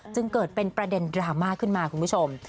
จึงเกิดเป็นประเด็นดราม่าขึ้นมาคุณผู้ชม